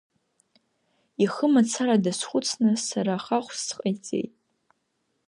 Ихы мацара дазхәыцны сара хахәс сҟаиҵеит!